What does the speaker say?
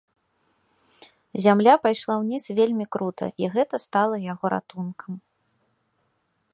Зямля пайшла ўніз вельмі крута, і гэта стала яго ратункам.